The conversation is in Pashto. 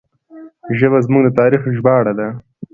ژبه زموږ د تاریخ ژباړه ده.